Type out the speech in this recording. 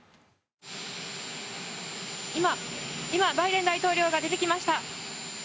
今、バイデン大統領が出てきました。